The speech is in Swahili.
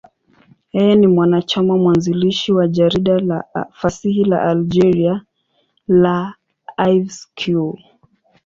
Yeye ni mwanachama mwanzilishi wa jarida la fasihi la Algeria, L'Ivrescq.